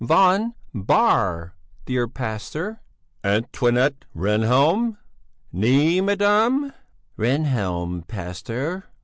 "Von Bähr, dear pastor." "Antoinette Rehnhjelm." "Née, madame?" "Rehnhjelm, pastor."